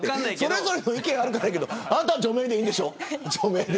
それぞれ意見があるからいいけどあなたは除名でいいんでしょ。